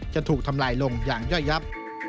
จะถูกทำลายลงอย่างย่อยยับ